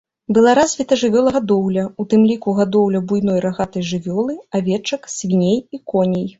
Была развіта жывёлагадоўля, у тым ліку гадоўля буйной рагатай жывёлы, авечак, свіней і коней.